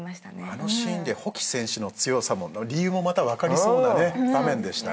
あのシーンで甫木選手の強さの理由もまた分かりそうな場面でしたね。